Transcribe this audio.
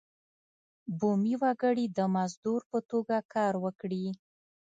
بومي وګړي د مزدور په توګه کار وکړي.